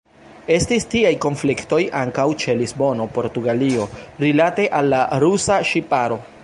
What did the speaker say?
Estis tiaj konfliktoj ankaŭ ĉe Lisbono, Portugalio, rilate al la rusa ŝiparo.